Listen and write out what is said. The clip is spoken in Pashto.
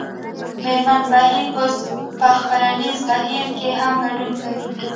مېرمن بهیر اوس په خپرنیز بهیر کې هم ګډون کوي